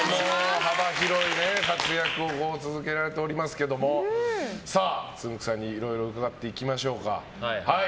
幅広い活躍を続けられておりますけれどもつんく♂さんにいろいろ伺っていきましょうか。